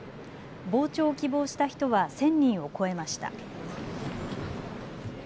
傍聴を希望した人は１０００人を超えました。